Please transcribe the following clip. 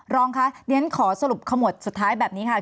รองค่ะขอสรุปข้อมูลสุดท้ายแบบนี้ค่ะ